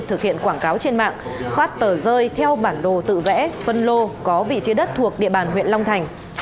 thực hiện quảng cáo trên mạng phát tờ rơi theo bản đồ tự vẽ phân lô có vị trí đất thuộc địa bàn huyện long thành